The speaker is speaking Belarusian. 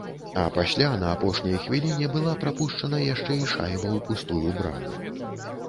А пасля на апошняй хвіліне была прапушчана яшчэ і шайба ў пустую браму.